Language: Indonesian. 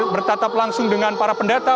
bertatap langsung dengan para pendata